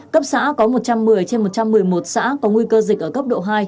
cấp xã có một trăm một mươi trên một trăm một mươi một xã có nguy cơ dịch ở cấp độ hai